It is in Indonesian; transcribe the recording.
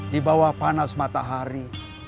di bawah panas matahari